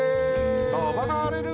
とばされる！